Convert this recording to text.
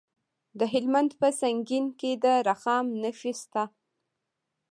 د هلمند په سنګین کې د رخام نښې شته.